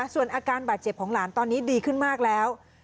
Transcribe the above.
ส่วนอาการบาดเจ็บของหลานตอนนี้ดีขึ้นมากแล้ว